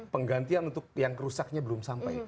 penggantian untuk yang rusaknya belum sampai